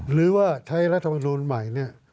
หรือว่าใช้รัฐมนูลใหม่เนี่ย